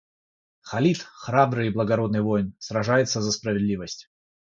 Халид, храбрый и благородный воин, сражается за справедливость.